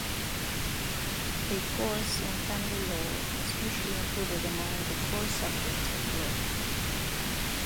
A course in family law is usually included among the core subjects at law